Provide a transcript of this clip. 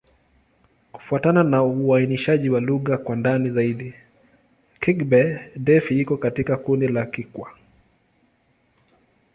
Kufuatana na uainishaji wa lugha kwa ndani zaidi, Kigbe-Defi iko katika kundi la Kikwa.